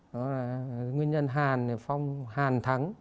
nó là nguyên nhân hàn thì phong hàn thắng